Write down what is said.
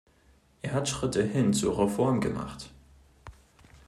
Er hat Schritte hin zur Reform gemacht.